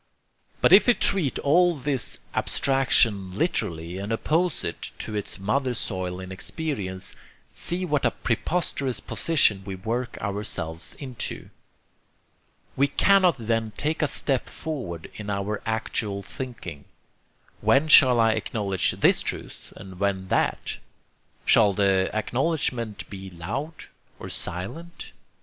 But if we treat all this abstraction literally and oppose it to its mother soil in experience, see what a preposterous position we work ourselves into. We cannot then take a step forward in our actual thinking. When shall I acknowledge this truth and when that? Shall the acknowledgment be loud? or silent?